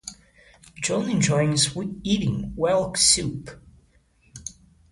John enjoys eating whelk soup.